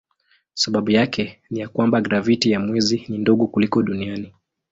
Sababu yake ni ya kwamba graviti ya mwezi ni ndogo kuliko duniani.